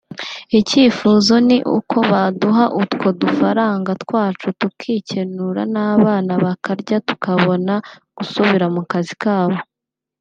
Icyifuzo ni uko baduha utwo dufaranga twacu tukikenura n’abana bakarya tukabona gusubira mu kazi kabo”